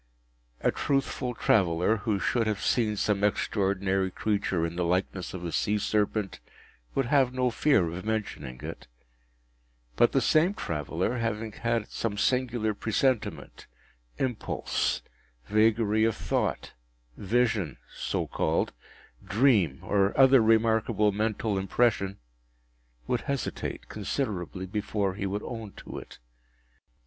A truthful traveller, who should have seen some extraordinary creature in the likeness of a sea serpent, would have no fear of mentioning it; but the same traveller, having had some singular presentiment, impulse, vagary of thought, vision (so called), dream, or other remarkable mental impression, would hesitate considerably before he would own to it.